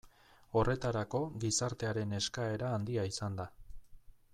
Horretarako gizartearen eskaera handia izan da.